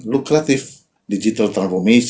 yang berhasil dan berhasil